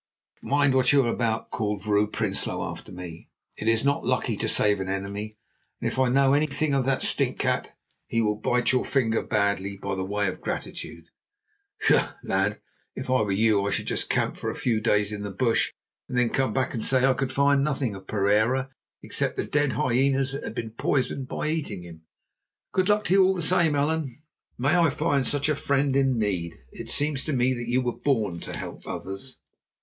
"Mind what you are about," called Vrouw Prinsloo after me. "It is not lucky to save an enemy, and if I know anything of that stinkcat, he will bite your finger badly by way of gratitude. Bah! lad, if I were you I should just camp for a few days in the bush, and then come back and say that I could find nothing of Pereira except the dead hyenas that had been poisoned by eating him. Good luck to you all the same, Allan; may I find such a friend in need. It seems to me that you were born to help others."